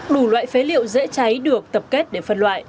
đủ loại phế liệu dễ cháy được tập kết để phân loại